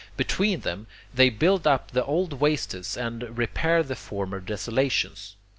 Between them, they build up the old wastes and repair the former desolations.